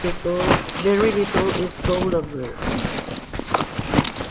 Very little is told of her.